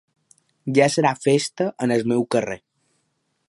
Ja serà festa en el meu carrer.